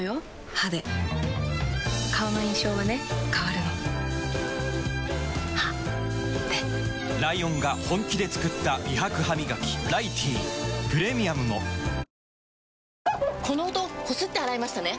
歯で顔の印象はね変わるの歯でライオンが本気で作った美白ハミガキ「ライティー」プレミアムもこの音こすって洗いましたね？